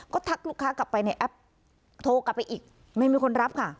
ก็ทักลูกค้ากลับไปในแอปโทรกลับไปอีกไม่มีคนรับค่ะ